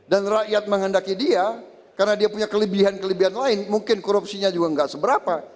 dan rakyat menghendaki dia karena dia punya kelebihan kelebihan lain mungkin korupsinya juga tidak seberapa